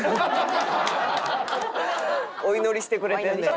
お祈りしてくれてんねん。